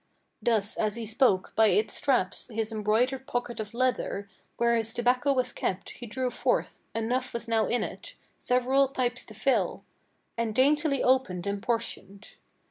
Thus, as he spoke, by its straps his embroidered pocket of leather, Where his tobacco was kept, he drew forth, enough was now in it Several pipes to fill, and daintily opened, and portioned.